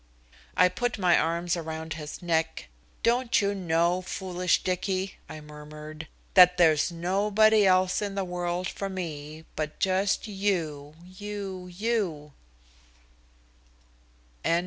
I put my arms around his neck. "Don't you know, foolish Dicky," I murmured, "that there's nobody else in the world for me but just you, you, you?"